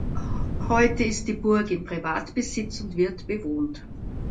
Heute ist die Burg in Privatbesitz und wird bewohnt.